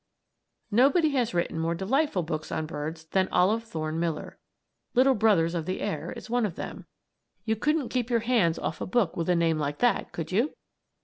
Nobody has written more delightful books on birds than Olive Thorne Miller. "Little Brothers of the Air" is one of them. You couldn't keep your hands off a book with a name like that, could you?